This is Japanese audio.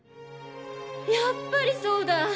やっぱりそうだ！